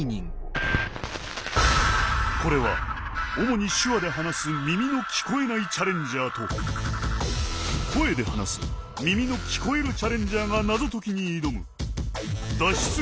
これは主に手話で話す耳の聞こえないチャレンジャーと声で話す耳の聞こえるチャレンジャーが謎解きに挑む脱出